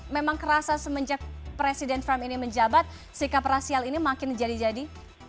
memang kerasa semenjak presiden trump ini menjabat sikap rasial ini makin jadi jadi